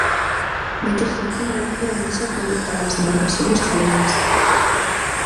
Meterse na final era un desafío para as embarcacións galegas.